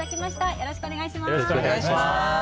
よろしくお願いします。